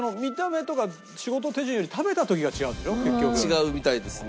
違うみたいですね。